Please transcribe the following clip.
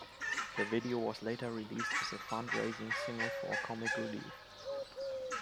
The video was later released as a fund raising single for Comic Relief.